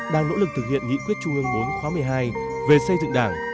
đang nỗ lực thực hiện nghĩ quyết chung ương bốn khóa một mươi hai về xây dựng đảng